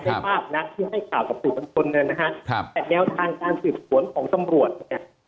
ในภาพนักที่ให้ข่าวกับสิทธิ์ผลละค่ะแต่แนวทางการสิทธิฝนของสำรวจเนี่ย